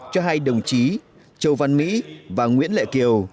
cho hai đồng chí châu văn mỹ và nguyễn lệ kiều